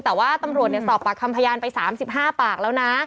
แต่ว่าตำรวจเนี่ยสอบปากคำพยานไปสามสิบห้าปากแล้วนะ